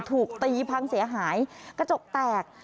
ถูกตีพังเสียหายกระจกแตก